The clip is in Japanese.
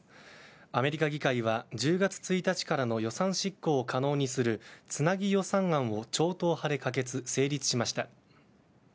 アメリカ議会は１０月１日からの予算執行を可能にするつなぎ予算案を超党派で可決・成立しました。